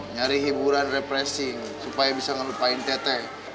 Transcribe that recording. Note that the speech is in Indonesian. nyari hiburan repressing supaya bisa ngelupain teteh